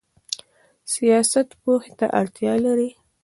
سیاست پوهې ته اړتیا لري